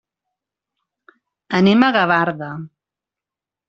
Anem a Gavarda.